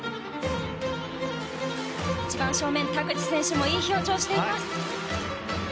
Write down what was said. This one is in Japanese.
一番正面田口選手もいい表情をしています。